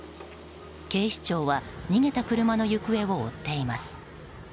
警視庁は逃げた車の行方を追っています。